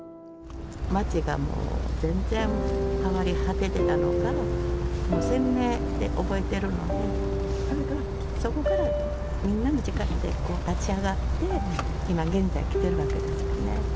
街がもう、全然変わり果ててたのが鮮明に覚えているので、そこからみんなの力で立ち上がって、今現在、来てるわけですよね。